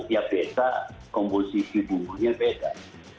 tiap desa komposisi bumbunya beda